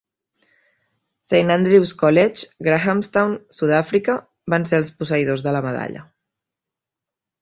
Saint Andrew's College, Grahamstown, Sud-àfrica van ser els posseïdors de la medalla.